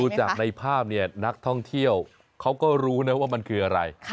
จากในภาพเนี่ยนักท่องเที่ยวเขาก็รู้นะว่ามันคืออะไร